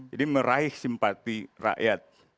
jadi meraih simpati rakyat